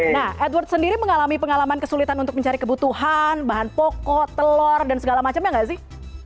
nah edward sendiri mengalami pengalaman kesulitan untuk mencari kebutuhan bahan pokok telur dan segala macamnya nggak sih